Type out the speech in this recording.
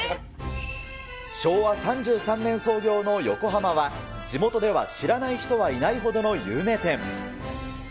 昭和３３年創業のよこはまは、地元では知らない人はいないほどの有名店。